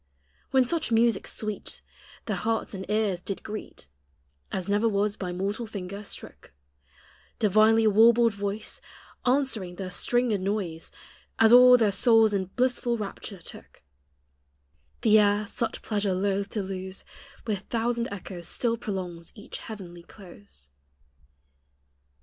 When such music sweet Their hearts and ears did greet As never was by mortal finger strook Divinely warbled voice Answering the stringed noise, As all their souls in blissful rapture took; The air, such pleasure loath to lose, With thousand echoes still prolongs each heavenly close.